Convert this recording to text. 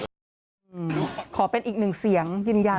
มันบ้างว่าคนจะว่ายังไง